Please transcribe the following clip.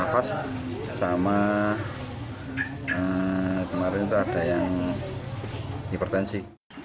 pas sama kemarin ada yang hipertensi